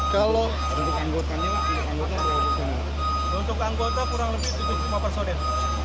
kalau untuk anggota kurang lebih tujuh rumah personel